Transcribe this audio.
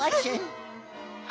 あ。